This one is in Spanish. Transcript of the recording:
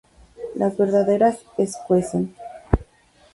Las verdades escuecen